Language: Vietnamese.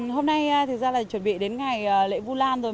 hôm nay thực ra là chuẩn bị đến ngày lễ vu lan rồi